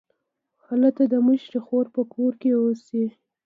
هلته د مشرې خور په کور کې اوسي.